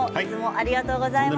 ありがとうございます。